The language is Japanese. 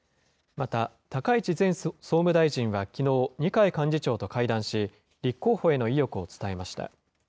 また高市前総務大臣はきのう、二階幹事長と会談し、立候補への意欲を伝えました。